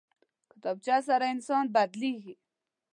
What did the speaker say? کتابچه سره انسان بدلېږي